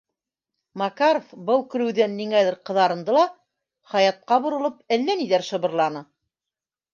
Макаров был көлөүҙән ниңәлер ҡыҙарынды ла, Хаятҡа боролоп, әллә ниҙәр шыбырланы.